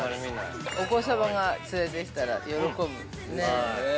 ◆お子様が、連れてきたら喜ぶ。